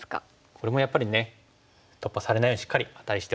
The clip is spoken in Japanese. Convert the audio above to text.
これもやっぱりね突破されないようにしっかりアタリしておきます。